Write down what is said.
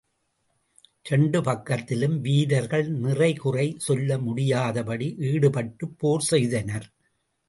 இரண்டு பக்கத்திலும் வீரர்கள் நிறைகுறை சொல்ல முடியாதபடி ஈடுபட்டுப் போர் செய்தனர்.